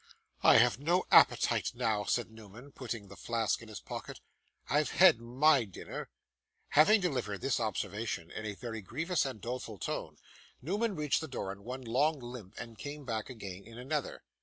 'I have no appetite now,' said Newman, putting the flask in his pocket. 'I've had MY dinner.' Having delivered this observation in a very grievous and doleful tone, Newman reached the door in one long limp, and came back again in another.